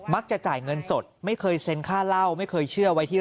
จ่ายเงินสดไม่เคยเซ็นค่าเล่าไม่เคยเชื่อไว้ที่